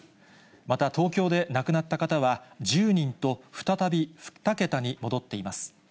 また東京で亡くなった方は１０人と、再び２桁に戻っています。